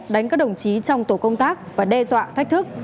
đánh các đồng chí trong tổ công tác và đe dọa thách thức